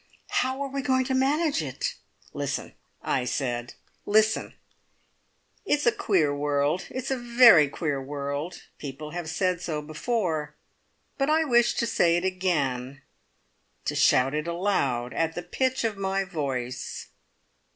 "How are we going to manage it?" "Listen!" I said. "Listen!" It's a queer world. It's a very queer world! People have said so before, but I wish to say it again, to shout it aloud at the pitch of my voice.